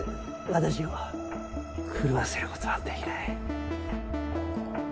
私を狂わせることはできない。